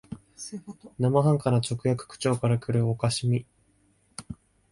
生半可な直訳口調からくる可笑しみ、